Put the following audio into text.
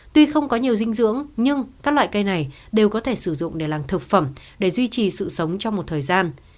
tuy không có nhiều dinh dưỡng nhưng các loại cây này đều có thể sử dụng để làm thực phẩm để duy trì sự sống trong một thời gian